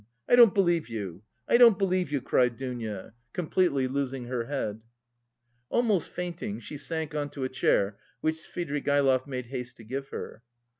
I don't believe you! I don't believe you!" cried Dounia, completely losing her head. Almost fainting, she sank on to a chair which Svidrigaïlov made haste to give her.